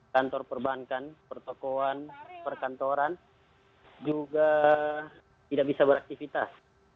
kantor perbankan pertokohan perkantoran juga tidak bisa beraktivitas